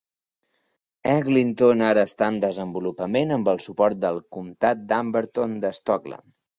Eglinton ara està en desenvolupament amb el suport del comtat d'Amberton de Stockland.